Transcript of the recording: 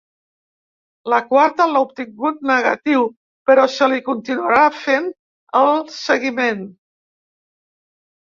La quarta l’ha obtingut negatiu però se li continuarà fent el seguiment.